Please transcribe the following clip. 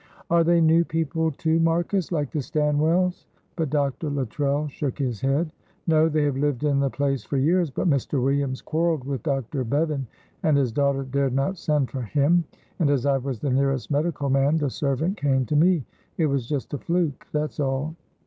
"Are they new people too, Marcus, like the Stanwell's?" but Dr. Luttrell shook his head. "No, they have lived in the place for years, but Mr. Williams quarrelled with Dr. Bevan, and his daughter dared not send for him, and as I was the nearest medical man, the servant came to me; it was just a fluke, that's all."